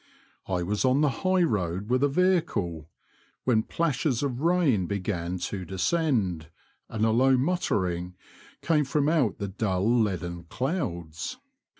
I was on the high road with a vehicle, when plashes of rain began to descend, and a low muttering came from out the dull leaden clouds.